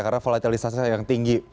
karena volatilisasi yang tinggi